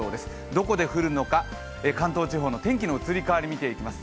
どこで降るのか、関東地方の天気の移り変わり、見ていきます。